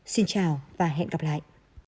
xin chào và hẹn gặp lại